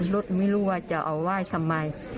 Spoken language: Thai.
รถไม่รู้ว่าจะเอาไหว้ทำไม